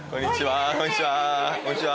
こんにちは